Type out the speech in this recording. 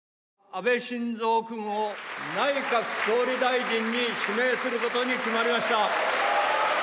安倍晋三君を、内閣総理大臣に指名することに決まりました。